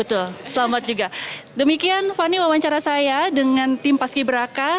betul selamat juga demikian fani wawancara saya dengan tim paski beraka